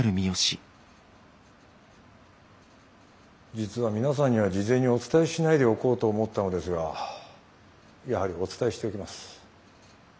実は皆さんには事前にお伝えしないでおこうと思ったのですがやはりお伝えしておきます。